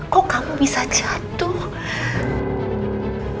kok kamu bisa jatuh